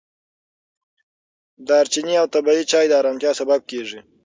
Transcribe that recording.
دارچیني او طبیعي چای د ارامتیا سبب کېږي.